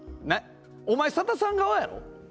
お前、佐田さん側やろ。